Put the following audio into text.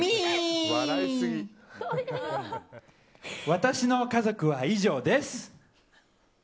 私の家族は以上です。